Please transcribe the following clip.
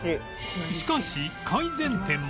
しかし改善点も